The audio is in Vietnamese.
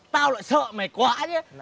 tao lại sợ mày quá nhá